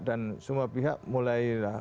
dan semua pihak mulailah